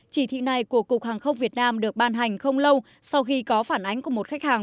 chỉ thị này của cục hàng không việt nam được ban hành không lâu sau khi có phản ánh của một khách hàng